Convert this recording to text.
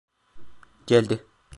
Geldi.